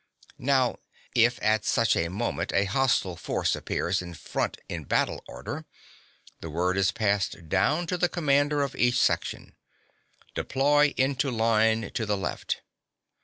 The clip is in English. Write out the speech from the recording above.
(16) Now, if at such a moment a hostile force appears in front in battle order, the word is passed down to the commander of each section, "Deploy (into line) to the left."